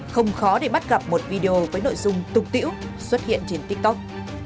không khó để bắt gặp một video với nội dung tục tiễu xuất hiện trên tiktok